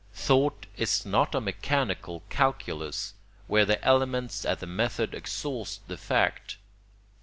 Thought is not a mechanical calculus, where the elements and the method exhaust the fact.